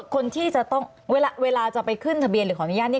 คนที่จะต้องเวลาจะไปขึ้นทะเบียนหรือขออนุญาตนี่